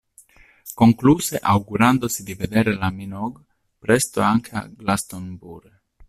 Concluse augurandosi di vedere la Minogue presto anche a Glastonbury.